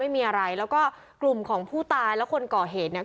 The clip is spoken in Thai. ไม่มีอะไรแล้วก็กลุ่มของผู้ตายและคนก่อเหตุเนี่ย